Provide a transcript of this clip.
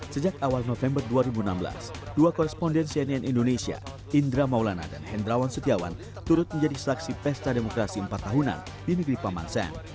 sejak awal november dua ribu enam belas dua koresponden cnn indonesia indra maulana dan hendrawan setiawan turut menjadi saksi pesta demokrasi empat tahunan di negeri paman sen